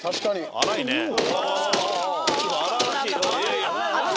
荒々しい。